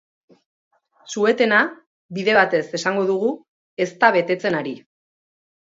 Su-etena, bide batez esango dugu, ez da betetzen ari.